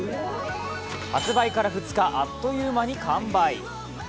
発売から２日、あっという間に完売。